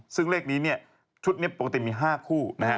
ซึ่งเลขนี้ชุดนี้ปกติมี๕คู่